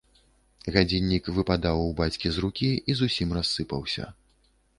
Гадзіннік выпадаў у бацькі з рукі і зусім рассыпаўся.